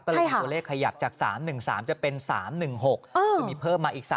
ก็เลยมีตัวเลขขยับจาก๓๑๓จะเป็น๓๑๖คือมีเพิ่มมาอีก๓